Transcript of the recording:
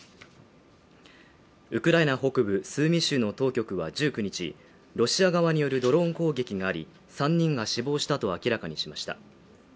ウクライナ北部スーミ州の当局は１９日、ロシア側によるドローン攻撃があり、３人が死亡したと明らかにしました。